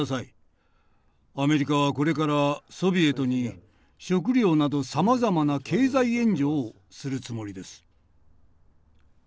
アメリカはこれからソビエトに食糧などさまざまな経済援助をするつもりです」。